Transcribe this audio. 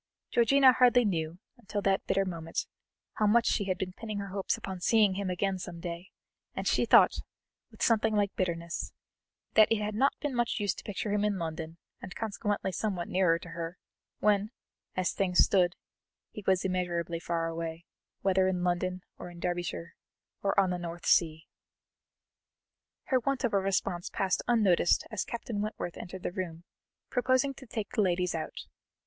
Georgiana hardly knew, until that bitter moment, how much she had been pinning her hopes upon seeing him again some day; and she thought, with something like bitterness, that it had not been much use to picture him in London, and consequently somewhat nearer to her, when, as things stood, he was immeasurably far away, whether in London or in Derbyshire or on the North Sea. Her want of response passed unnoticed as Captain Wentworth entered the room, proposing to take the ladies out.